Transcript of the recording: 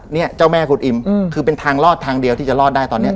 เนี่ยเจ้าแม่คุณอิมคือเป็นทางรอดทางเดียวที่จะรอดได้ตอนนี้